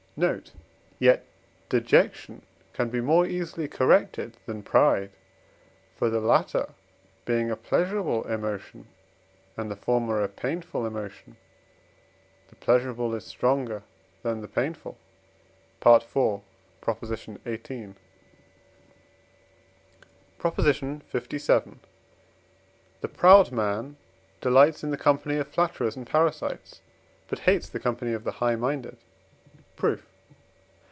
Note. Yet dejection can be more easily corrected than pride; for the latter being a pleasurable emotion, and the former a painful emotion, the pleasurable is stronger than the painful (IV. xviii.). PROP. LVII. The proud man delights in the company of flatterers and parasites, but hates the company of the high minded. Proof.